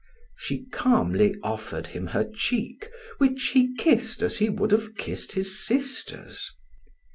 She calmly offered him her cheek which he kissed as he would have kissed his sister's.